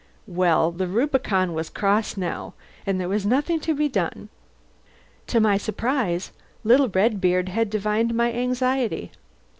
Well, the Rubicon was crossed now, and there was nothing to be done. To my surprise, little Redbeard had divined my anxiety.